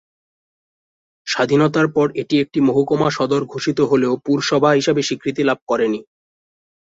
স্বাধীনতার পর এটি একটি মহকুমা সদর ঘোষিত হলেও পুরসভা হিসাবে স্বীকৃতি লাভ করেনি।